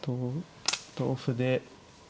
同歩で。